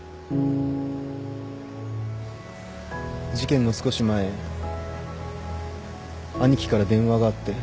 事件の少し前兄貴から電話があって。